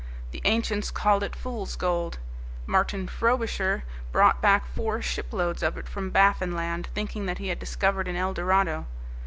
The ancients called it 'fool's gold.' Martin Frobisher brought back four shiploads of it from Baffin Land thinking that he had discovered an Eldorado.